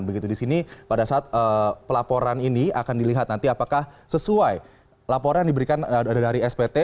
begitu di sini pada saat pelaporan ini akan dilihat nanti apakah sesuai laporan yang diberikan dari spt